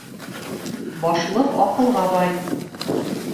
Башлыҡ аҡылға бай